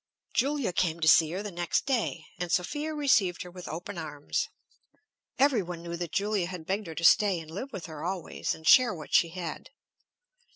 Julia came to see her the next day, and Sophia received her with open arms. Every one knew that Julia had begged her to stay and live with her always, and share what she had.